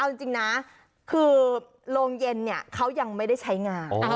เอาจริงนะคือโรงเย็นเนี่ยเขายังไม่ได้ใช้งาน